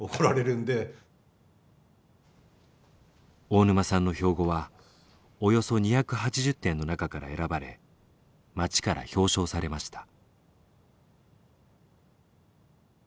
大沼さんの標語はおよそ２８０点の中から選ばれ町から表彰されました。